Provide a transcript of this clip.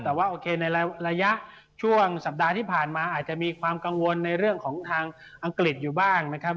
แต่ว่าโอเคในระยะช่วงสัปดาห์ที่ผ่านมาอาจจะมีความกังวลในเรื่องของทางอังกฤษอยู่บ้างนะครับ